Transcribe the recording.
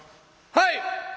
「はい！」。